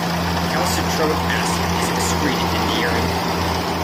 Calcitroic acid is excreted in the urine.